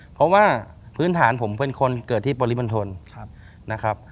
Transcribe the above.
เพราะว่าพื้นฐานผมเป็นคนเกิดที่ปริมณฑลนะครับ